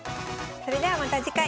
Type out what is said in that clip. それではまた次回。